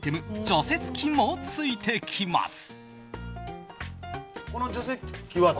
除雪機もついてきます！